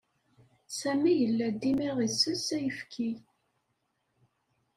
Sami yella dima isess ayefki.